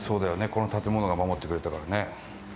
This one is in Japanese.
この建物が守ってくれたからね。